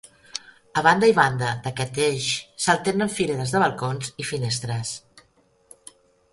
A banda i banda d'aquest eix s'alternen fileres de balcons i finestres.